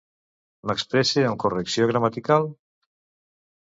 M'expresse amb correcció gramatical?